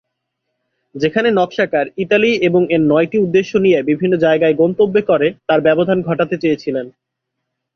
যেখানে নকশাকার ইতালি এবং এর নয়টি উদ্দেশ্য নিয়ে বিভিন্ন যায়গায় গন্তব্যে করে তার ব্যবধান ঘটাতে চেয়েছিলেন।